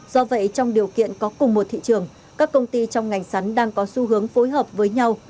do vậy trong điều kiện có cùng một thị trường các công ty trong ngành sắn đang có xu hướng phối hợp với nhau